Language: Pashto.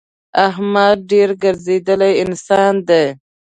احمد ډېر ګرځېدلی انسان دی.